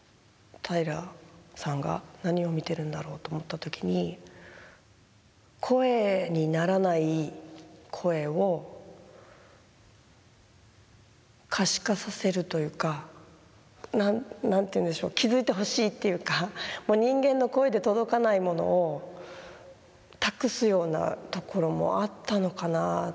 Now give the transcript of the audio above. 平良さんが何を見てるんだろうと思った時に何ていうんでしょう気付いてほしいっていうか人間の声で届かないものを託すようなところもあったのかなぁ。